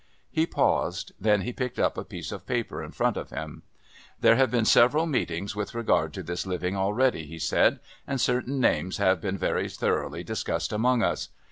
He paused. Then he picked up a piece of paper in front of him. "There have been several meetings with regard to this living already," he said, "and certain names have been very thoroughly discussed among us.